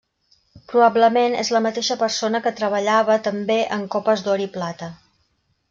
Probablement és la mateixa persona que treballava també en copes d'or i plata.